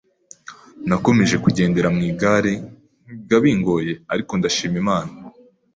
nakomeje kugendera mu igare nkiga bingoye ariko ndashima Imana